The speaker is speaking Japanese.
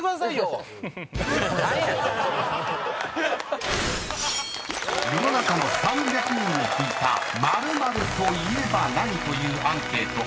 何や⁉［世の中の３００人に聞いた○○といえば何？というアンケート